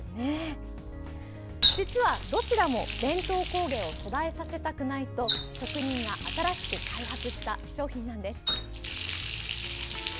実は、どちらも伝統工芸を途絶えさせたくないという職人が新しく開発した商品なんです。